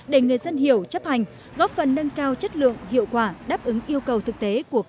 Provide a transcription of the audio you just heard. để người dân hiểu chấp hành góp phần nâng cao chất lượng hiệu quả đáp ứng yêu cầu thực tế